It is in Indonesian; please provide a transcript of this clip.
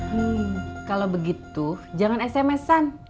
hmm kalau begitu jangan sms an